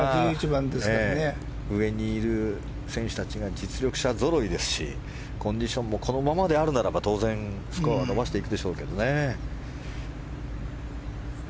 上にいる選手たちが実力者ぞろいですしコンディションもこのままであるならば当然スコアを伸ばしていくでしょうけどね。